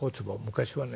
昔はね